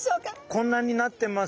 こんなになってます。